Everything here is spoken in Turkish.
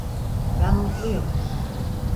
Ben mutluyum.